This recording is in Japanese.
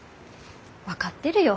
分かってるよ。